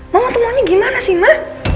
mama tuh maunya gimana sih ma